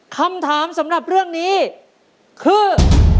คำถามสำหรับเรื่องนี้คือ